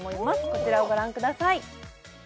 こちらをご覧ください